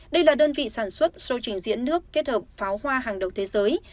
đây là đơn vị sản xuất show trình diễn nước kết hợp pháo hoa hàng đầu thế giới